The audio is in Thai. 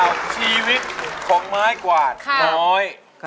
เพลงนี้อยู่ในอาราบัมชุดแจ็คเลยนะครับ